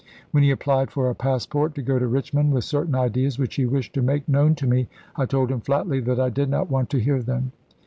When he applied for a passport to go to Rich mond, with certain ideas which he wished to make known to me, I told him flatly that I did not want to hear them.